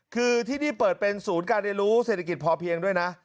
คือที่นี่เปิดเป็นศูนย์การเรียนรู้เศรษฐกิจพอเพียงด้วยนะ